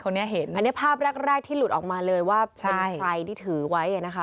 อันนี้ภาพแรกที่หลุดออกมาเลยว่าเป็นใครที่ถือไว้